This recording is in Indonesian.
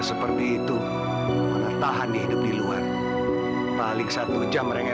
sampai jumpa di video selanjutnya